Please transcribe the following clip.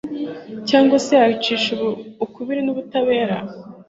cyangwa se yacisha ukubiri n'ubutabera